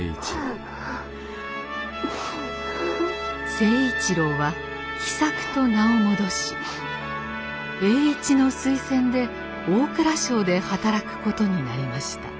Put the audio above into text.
成一郎は「喜作」と名を戻し栄一の推薦で大蔵省で働くことになりました。